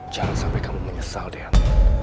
jangan sampai kamu menyesal dean